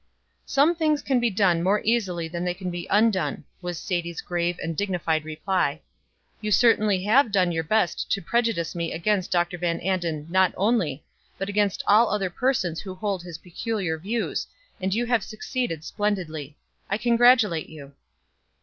"Some things can be done more easily than they can be undone," was Sadie's grave and dignified reply. "You certainly have done your best to prejudice me against Dr. Van Anden not only, but against all other persons who hold his peculiar views, and you have succeeded splendidly. I congratulate you."